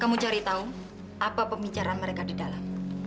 kamu cari tahu apa pembicaraan mereka di dalam